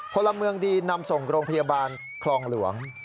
พลเมืองดีนำส่งโรงพยาบาลคลองหลวง